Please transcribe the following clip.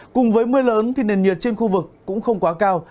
cùng với mưa lớn thì nền nhiệt trên khu vực cũng không quá cao